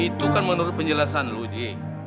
itu kan menurut penjelasan lu ji